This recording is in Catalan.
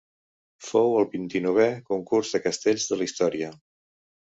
Fou el vint-i-novè concurs de castells de la història.